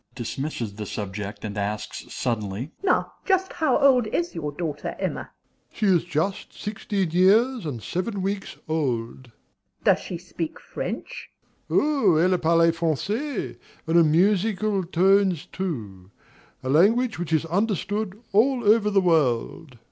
(dismisses the subject, and asks suddenly). Now just how old is your daughter Emma? DOMINIE. She is just sixteen years and seven weeks old. MRS. S. Does she speak French? DOMINIE. Oui, elle parle Français, and in musical tones, too, a language which is understood all over the world.